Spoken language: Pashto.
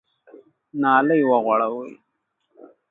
نالۍ وغوړوئ !